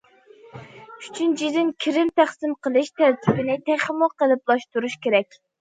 ئۈچىنچىدىن، كىرىم تەقسىم قىلىش تەرتىپىنى تېخىمۇ قېلىپلاشتۇرۇش كېرەك.